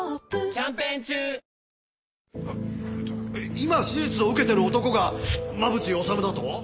今手術を受けてる男が真渕治だと？